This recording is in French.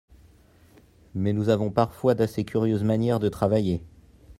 Mais nous avons parfois d’assez curieuses manières de travailler.